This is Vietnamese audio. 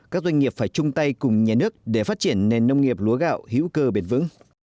các doanh nghiệp phải chung tay cùng nhà nước để phát triển nền nông nghiệp lúa gạo hữu cơ bền vững